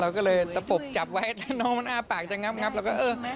เราก็เลยตะปกจับไว้ถ้าน้องมันอ้าปากจะงับเราก็เออ